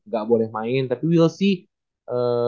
gak boleh main tapi we ll see